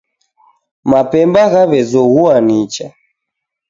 Mapemba ghawezoghua nicha